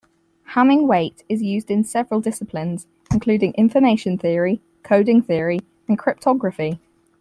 Hamming weight is used in several disciplines including information theory, coding theory, and cryptography.